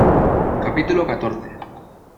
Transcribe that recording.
capítulo catorce.